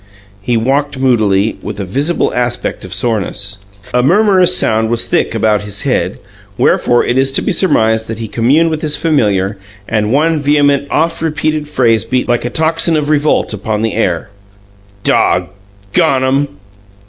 He walked moodily, with a visible aspect of soreness. A murmurous sound was thick about his head, wherefore it is to be surmised that he communed with his familiar, and one vehement, oft repeated phrase beat like a tocsin of revolt upon the air: "Daw gone 'em!"